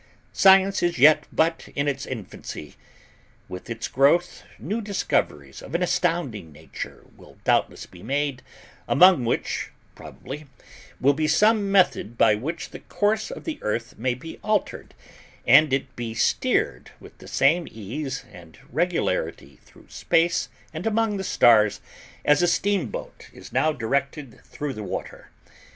Science is yet but in its infancy; with its growth, new discoveries of an astounding nature will doubtless be made, among which, probably, will be some method by which the course of the Earth may be altered and it be steered with the same ease and regularity through space and among the stars as a steamboat is now directed through the water.